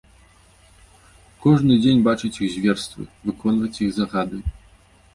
Кожны дзень бачыць іх зверствы, выконваць іх загады.